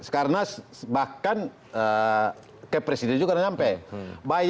karena bahkan ke presiden juga sudah sampai